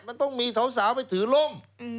มันต้องมีสาวไปถือร่ม